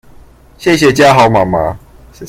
謝謝家豪媽媽